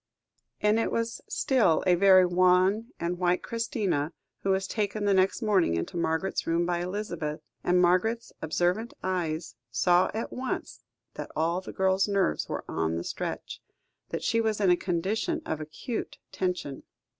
And it was still a very wan and white Christina, who was taken the next morning into Margaret's room by Elizabeth; and Margaret's observant eyes saw at once that all the girl's nerves were on the stretch, that she was in a condition of acute tension.